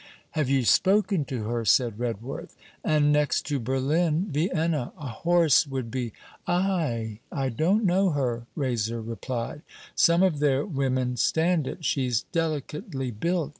'Have you spoken to her?' said Redworth. 'And next to Berlin! Vienna! A horse would be.... I? I don't know her,' Raiser replied. 'Some of their women stand it. She's delicately built.